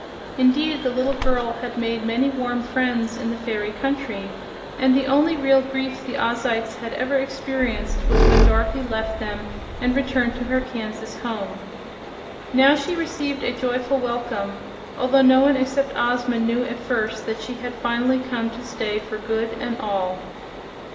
Indeed, the little girl had made many warm friends in the fairy country, and the only real grief the Ozites had ever experienced was when Dorothy left them and returned to her Kansas home. Now she received a joyful welcome, although no one except Ozma knew at first that she had finally come to stay for good and all.